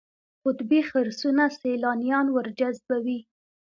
قطبي خرسونه سیلانیان ورجذبوي.